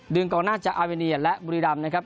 กองหน้าจากอาเวเนียและบุรีรำนะครับ